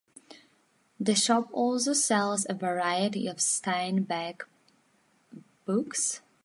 The shop also sells a variety of Steinbeck books.